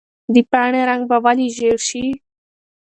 د پاڼې رنګ به ولې ژېړ شي؟